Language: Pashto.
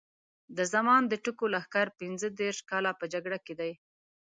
د زمان د ټکو لښکر پینځه دېرش کاله په جګړه کې دی.